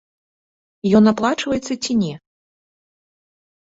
Ён аплачваецца ці не?